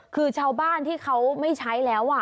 คือชาวบ้านที่เขาไม่ใช้แล้ว